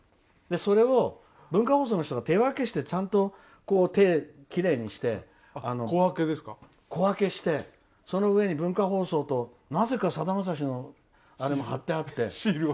それを文化放送の人がちゃんと手をきれいにして小分けしてその上に文化放送となぜか、さだまさしのシールが貼ってあって。